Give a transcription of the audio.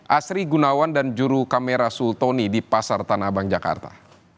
asri gunawan dan juru kamera sultoni di pasar tanah abang jakarta